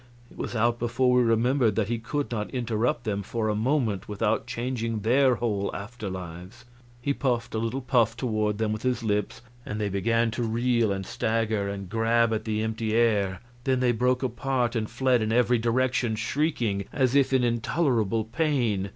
It was out before we remembered that he could not interrupt them for a moment without changing their whole after lives. He puffed a little puff toward them with his lips and they began to reel and stagger and grab at the empty air; then they broke apart and fled in every direction, shrieking, as if in intolerable pain.